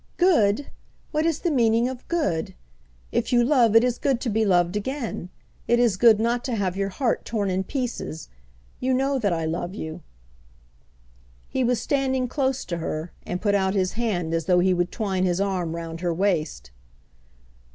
"Good! What is the meaning of good? If you love, it is good to be loved again. It is good not to have your heart torn in pieces. You know that I love you." He was standing close to her, and put out his hand as though he would twine his arm round her waist.